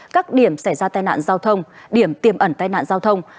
các điểm xảy ra tai nạn giao thông điểm tiềm ẩn tai nạn giao thông